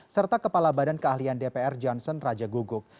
serta kepala badan keahlian dpr johnson raja gogok